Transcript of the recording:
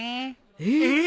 えっ